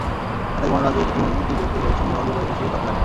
রাতে ঘুমানোর আগে প্রতিদিন তিলের তেলের সঙ্গে অলিভ অয়েল মিশিয়ে ত্বকে লাগান।